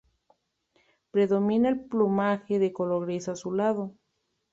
Predomina el plumaje de color gris azulado.